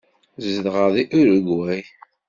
Zedɣeɣ deg Urugway.